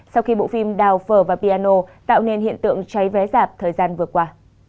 sau khi bộ phim đào phở và piano tạo nên hiện tượng cháy vé dạp thời gian vừa qua